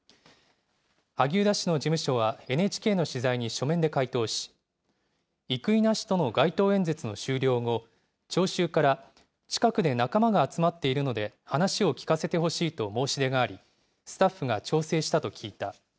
萩生田氏の事務所はＮＨＫの取材に書面で回答し、生稲氏との街頭演説の終了後、聴衆から、近くで仲間が集まっているので話を聞かせてほしいと申し出があり、スタッフが調整したと聞いた。